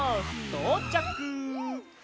とうちゃく。